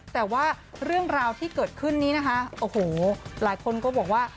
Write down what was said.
แต่ว่าเรื่องราวที่เกิดขึ้นนี้นะคะโอ้โหหลายคนก็บอกว่า